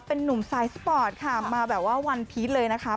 เป็นนุ่มสายสปอร์ตค่ะมาแบบว่าวันพีชเลยนะคะ